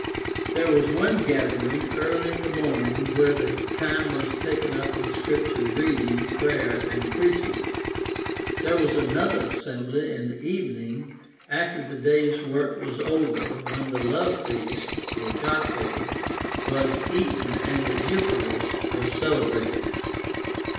There was one gathering early in the morning where the time was taken up with Scripture reading, prayer, and preaching. There was another assembly in the evening after the day's work was over when the love feast (Agape) was eaten and the Eucharist was cele brated.